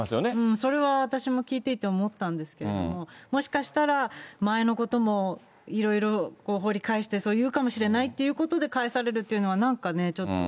それは私も聞いていて思ったんですけれども、もしかしたら、前のこともいろいろ掘り返して言うかもしれないということで、返されるっていうのは、なんかね、ちょっと。